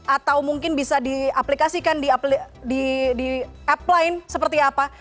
atau mungkin bisa diaplikasikan di app lain seperti apa